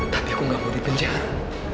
tapi aku gak mau di penjara